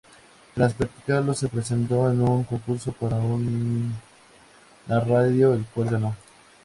Tras practicarlo, se presentó en un concurso para una radio, el cual ganó.